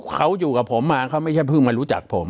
เขาอยู่กับผมมาเขาไม่ใช่เพิ่งมารู้จักผม